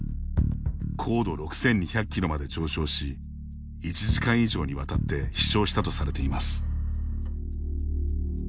高度６２００キロまで上昇し１時間以上にわたって飛しょうしたとされています。